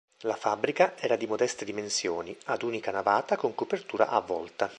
La fabbrica era di modeste dimensione, ad unica navata con copertura a volta.